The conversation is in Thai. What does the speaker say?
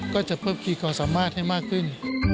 ก็จะเพิ่มขีดความสามารถให้มากขึ้น